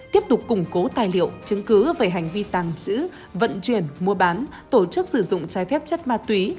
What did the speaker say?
tiếp tục củng cố tài liệu chứng cứ về hành vi tàng trữ vận chuyển mua bán tổ chức sử dụng trái phép chất ma túy